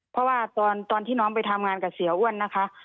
เพราะว่าตอนที่น้องไปทำงานกับเสียอ้วนนะคะ